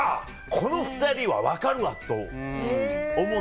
この２人は分かるわと思った。